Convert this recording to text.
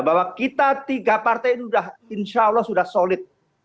bahwa kita tiga partai ini sudah insya allah sudah solid